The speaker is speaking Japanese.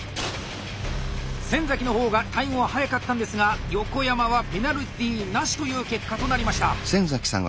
先の方がタイムは早かったんですが横山はペナルティなしという結果となりました。